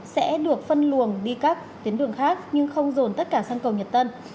sẽ được phân luồng đi các tuyến đường khác nhưng không dồn tất cả sân cầu nhật tân